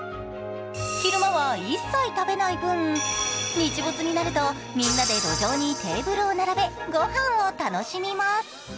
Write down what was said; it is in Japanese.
昼間は一切、食べない分、日没になるとみんなで路上にテーブルを並べ御飯を楽しみます。